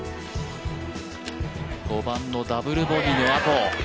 ５番のダブルボギーのあと